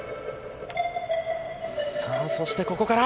さあそしてここから。